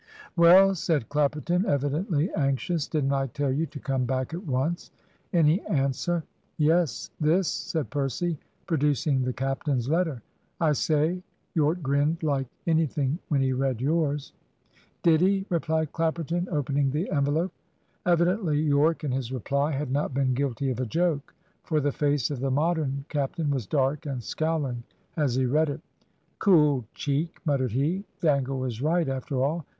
"Well," said Clapperton, evidently anxious, "didn't I tell you to come back at once! Any answer?" "Yes, this," said Percy, producing the captain's letter. "I say, Yorke grinned like anything when he read yours." "Did he?" replied Clapperton, opening the envelope. Evidently Yorke in his reply had not been guilty of a joke, for the face of the Modern captain was dark and scowling as he read it. "Cool cheek," muttered he. "Dangle was right, after all.